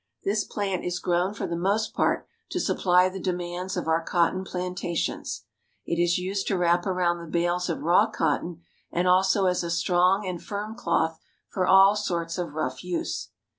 This plant is grown for the most part to supply the demands of our cotton plantations. It is used to wrap around the bales of raw cotton, and also as a strong and firm cloth for all sorts of rough use.